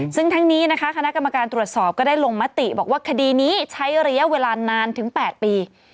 ซึ่งทั้งนี้นะคะคณะกรรมการตรวจสอบก็ได้ลงมติบอกว่าคดีนี้ใช้ระยะเวลานานถึง๘ปี